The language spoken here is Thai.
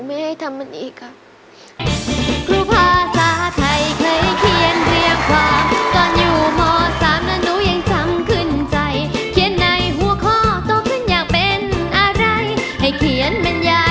ไม่ให้ทำมันอีกครับ